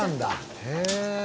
へえ！